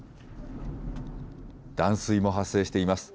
断水も発生しています。